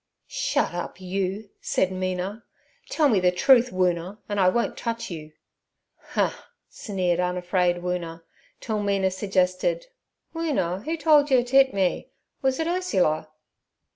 'Shut up, you!' said Mina. 'Tell me the truth, Woona, an' I won't touch you.' 'Huh!' sneered unafraid Woona, till Mina suggested— 'Woona, 'oo told yer t' 'it me? Was it Ursula?'